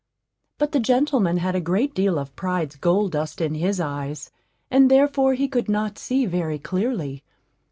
But the gentleman had a great deal of Pride's gold dust in his eyes, and therefore he could not see very clearly.